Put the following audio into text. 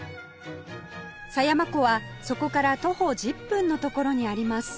狭山湖はそこから徒歩１０分の所にあります